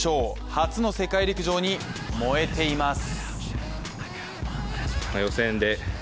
初の世界陸上に燃えています。